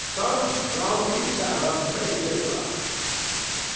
Some donkeys have amazing luck.